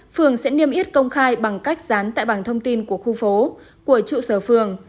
phường sẽ niêm yết công khai bằng cách dán tại bảng thông tin của khu phố của trụ sở phường